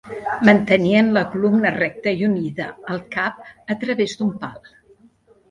Mantenien la columna recta i unida al cap a través d'un pal.